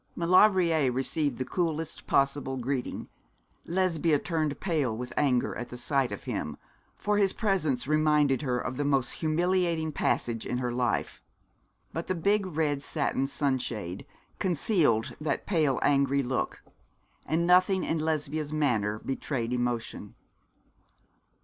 Maulevrier received the coolest possible greeting. Lesbia turned pale with anger at sight of him, for his presence reminded her of the most humiliating passage in her life; but the big red satin sunshade concealed that pale angry look, and nothing in Lesbia's manner betrayed emotion.